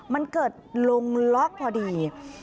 มันเกิดลงล็อกพอดี